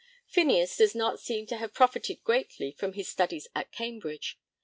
Phineas does not seem to have profited greatly from his studies at Cambridge.